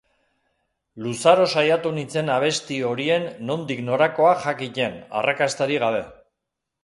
Luzaro saiatu nintzen abesti horien nondik-norakoak jakiten, arrakastarik gabe.